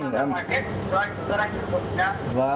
em mang ra ngoài kết cho anh cho anh cho anh cho anh vào nhà